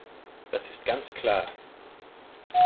Das ist ganz klar!